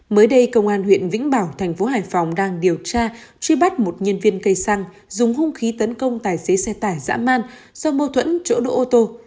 mới đây công an huyện vĩnh bảo thành phố hải phòng đang điều tra truy bắt một nhân viên cây xăng dùng hung khí tấn công tài xế xe tải dã man do mâu thuẫn chỗ đỗ ô tô